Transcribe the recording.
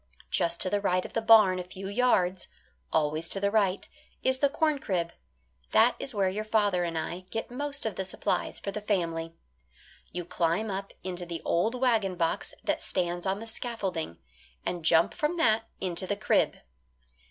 Just to the right of the barn a few yards always to the right is the corn crib. That is where your father and I get most of the supplies for the family. You climb up into the old wagon box that stands on the scaffolding, and jump from that into the crib.